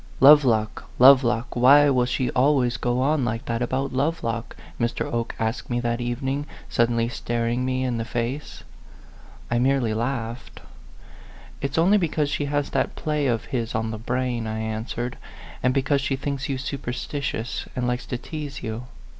" Lovelock Lovelock ! Why will she al ways go on like that about Lovelock ?" Mr. Oke asked me that evening, suddenly staring me in the face. I merely laughed. "It's only because she has that play of A PHANTOM LOVER. 115 his on the brain," I answered ;" and be cause she thinks you superstitious, and likes to tease you."